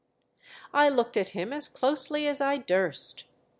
I looked at him as closely as I durst.